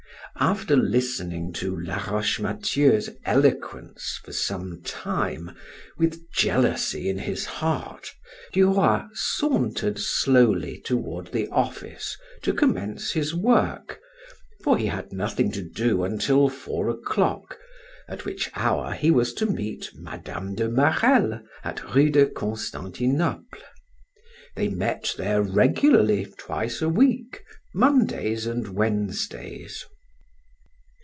After listening to Laroche Mathieu's eloquence for some time with jealousy in his heart, Du Roy sauntered slowly toward the office to commence his work, for he had nothing to do until four o'clock, at which hour he was to meet Mme. de Marelle at Rue de Constantinople. They met there regularly twice a week, Mondays and Wednesdays.